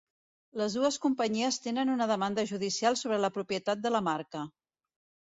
Les dues companyies tenen una demanda judicial sobre la propietat de la marca.